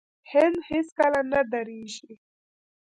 هند هیڅکله نه دریږي.